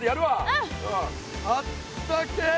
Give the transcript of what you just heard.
うんあったけえ！